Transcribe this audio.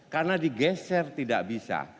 karena digeser tidak bisa